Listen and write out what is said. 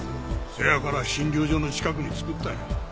せやから診療所の近くに作ったんや。